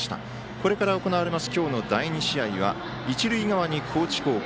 これから行われます、今日の第２試合は一塁側に高知高校。